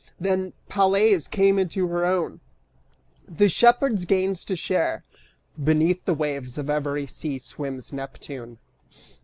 Then Pales came Into her own, the shepherd's gains to share. Beneath the waves Of every sea swims Neptune.